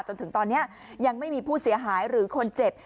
จนถึงตอนนี้ยังไม่มีผู้เสียหายหรือคนเจ็บ